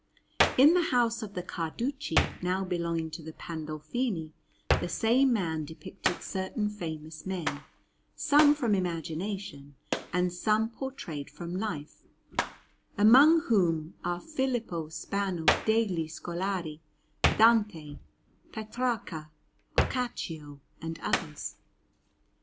In the house of the Carducci, now belonging to the Pandolfini, the same man depicted certain famous men, some from imagination and some portrayed from life, among whom are Filippo Spano degli Scolari, Dante, Petrarca, Boccaccio, and others.